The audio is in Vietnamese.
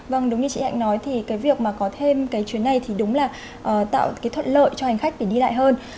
vâng đúng như chị hạnh nói việc có thêm chuyến này đúng là tạo thuận lợi cho hành khách đi lại hơn